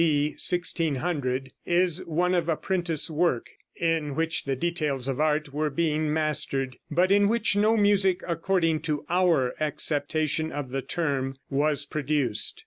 D. 1600, is one of apprentice work, in which the details of art were being mastered, but in which no music, according to our acceptation of the term, was produced.